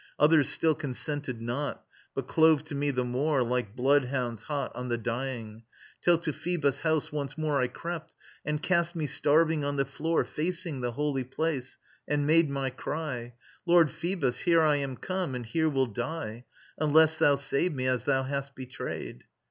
Others still consented not, But clove to me the more, like bloodhounds hot On the dying; till to Phoebus' house once more I crept, and cast me starving on the floor Facing the Holy Place, and made my cry: "Lord Phoebus, here I am come, and here will die, Unless thou save me, as thou hast betrayed."